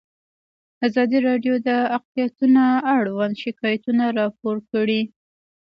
ازادي راډیو د اقلیتونه اړوند شکایتونه راپور کړي.